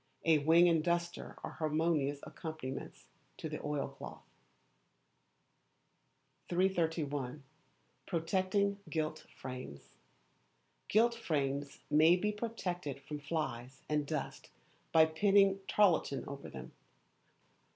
A wing and duster are harmonious accompaniments to the oilcloth. 331. Protecting Gilt Frames. Gilt frames may be protected from flies and dust by pinning tarlatan over them.